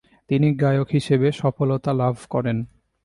তিনি গায়ক হিসেবে সফলতা লাভ করেন।